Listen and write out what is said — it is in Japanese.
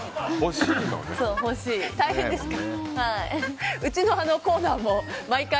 大変ですか？